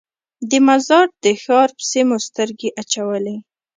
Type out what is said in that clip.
د مزار د ښار پسې مو سترګې اچولې.